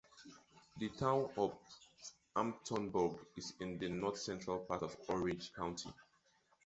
The Town of Hamptonburgh is in the north central part of Orange County.